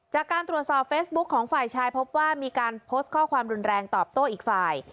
จากการตรวจสอบเฟซบุ๊คของฝ่ายชายพบว่ามีการโพสต์ข้อความรุนแรงตอบโต้อีกฝ่าย